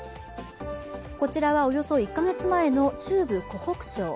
こちらはおよそ１カ月前の中部・湖北省。